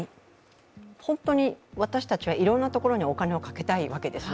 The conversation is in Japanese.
本当に私たちはいろいろなところにお金をかけたいわけですね。